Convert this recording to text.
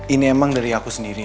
ini emang dari aku sendiri